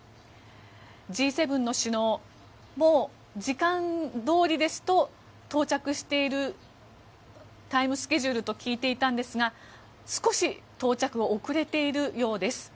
Ｇ７の首脳時間どおりですと到着しているタイムスケジュールと聞いていたんですが少し到着、遅れているようです。